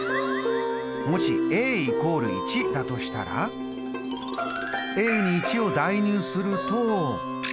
もし＝１だとしたら？に１を代入すると。